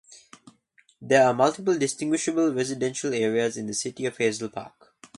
There are multiple distinguishable residential areas in the city of Hazel Park.